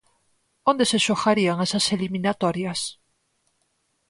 Onde se xogarían esas eliminatorias?